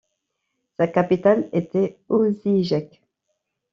Sa capitale était Osijek.